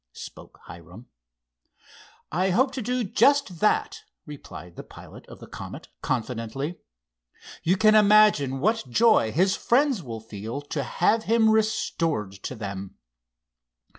spoke Hiram. "I hope to do just that," replied the pilot of the Comet, confidently. "You can imagine what joy his friends will feel to have him restored to them."